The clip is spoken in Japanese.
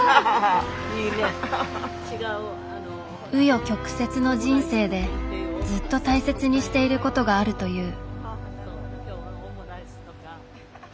紆余曲折の人生でずっと大切にしていることがあるという。